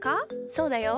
そうだよ。